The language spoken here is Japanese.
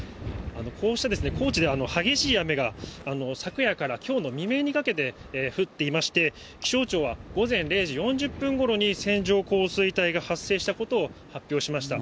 こうした、高知では激しい雨が昨夜からきょうの未明にかけて降っていまして、気象庁は、午前０時４０分ごろに、線状降水帯が発生したことを発表しました。